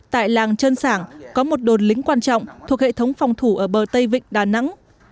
tại làng trơn sảng có một đồn lính quan trọng thuộc hệ thống phòng thủ ở bờ tây vịnh đà nẵng